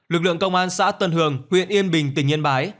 lực lượng công an xã tân hường huyện yên bình tỉnh yên bái